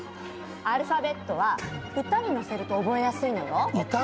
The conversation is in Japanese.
アルファベットは歌にのせると覚えやすいのよ。